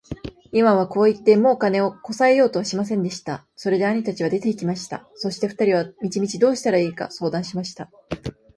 イワンはこう言って、もう金をこさえようとはしませんでした。それで兄たちは出て行きました。そして二人は道々どうしたらいいか相談しました。